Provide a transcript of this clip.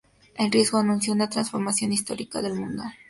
El riesgo anuncia una transformación histórica del mundo.